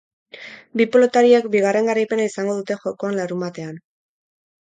Bi pilotariek bigarren garaipena izango dute jokoan larunbatean.